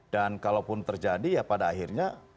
dan kalaupun terjadi ya pada akhirnya